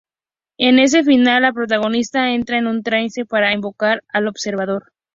En ese final la protagonista entra en un trance para invocar al Observador.